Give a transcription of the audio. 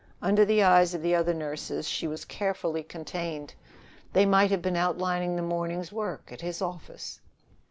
Under the eyes of the other nurses, she was carefully contained. They might have been outlining the morning's work at his office.